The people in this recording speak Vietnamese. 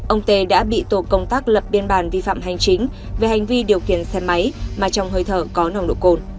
ông tê đã bị tổ công tác lập biên bản vi phạm hành chính về hành vi điều khiển xe máy mà trong hơi thở có nồng độ cồn